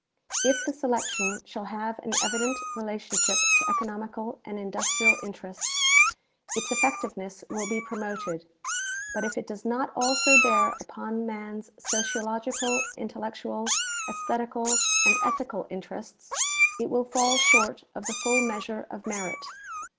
K the selection shall have an evident relationship to economical and industrial interests, its effectiveness will be promoted ; but if it does not also bear upon man's sociological, intellectual, esthetical. and ethical interests, it will fall short of the full measure of merit.